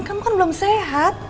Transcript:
kamu kan belum sehat